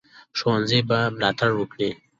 ښوونځي به ملاتړ وکړي.